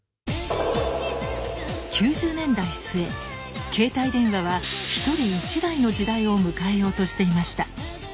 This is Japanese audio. ９０年代末携帯電話は１人１台の時代を迎えようとしていました。